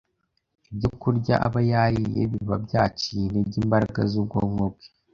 Ibyokurya aba yariye biba byaciye intege imbaraga z’ubwonko bwe